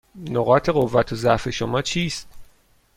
نقاط قوت و ضعف شما چیست؟